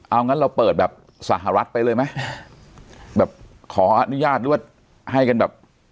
เอางั้นเราเปิดแบบสหรัฐไปเลยไหมแบบขออนุญาตหรือว่าให้กันแบบ